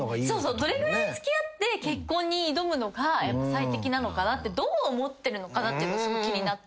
どれぐらい付き合って結婚に挑むのが最適なのかなってどう思ってるのかなっていうのがすごい気になってて。